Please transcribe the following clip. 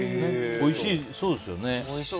おいしそうですよね。